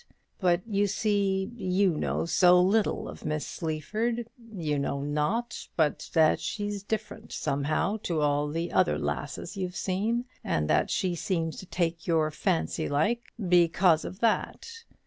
But, you see, you know so little of Miss Sleaford; you know naught but that she's different, somehow, to all the other lasses you've seen, and that she seems to take your fancy like, because of that.